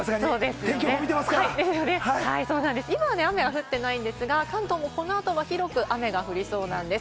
天気予今、雨は降ってないんですが、関東、この後、広く雨が降りそうなんです。